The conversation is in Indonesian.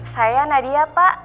saya nadia pak